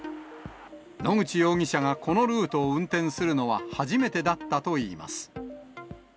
野口容疑者がこのルートを運転するのは初めてだったといいます。